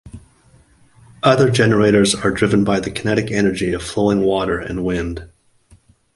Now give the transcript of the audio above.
Other generators are driven by the kinetic energy of flowing water and wind.